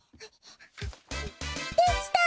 できた！